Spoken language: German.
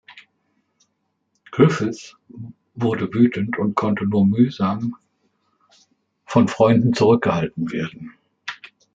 Griffith wurde wütend und konnte nur mühsam von Freunden zurückgehalten werden.